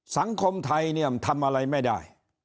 สังคมไทยเนี่ยทำอะไรไม่ได้